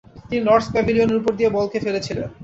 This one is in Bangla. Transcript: তিনি লর্ডস প্যাভিলিয়নের উপর দিয়ে বলকে ফেলেছিলেন।